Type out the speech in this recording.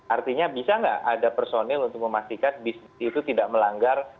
artinya bisa nggak ada personil untuk memastikan bisnis itu tidak melanggar